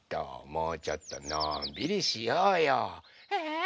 もうちょっとのんびりしようよ。えっ。